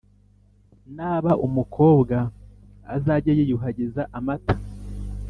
naba umukobwa azage yiyuhagira amata,